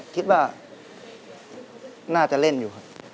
คิดว่าน่าจะเล่นอยู่ครับ